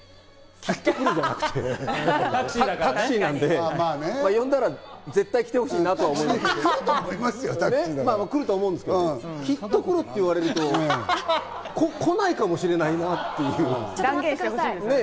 きっとくるじゃなくて、タクシーなんで、呼んだら絶対来てほしいなと思いますけど、まぁ来ると思うんですけど、きっとくるって言われると来ない断言してほしいですよね。